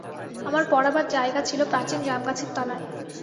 আমার পড়াবার জায়গা ছিল প্রাচীন জামগাছের তলায়।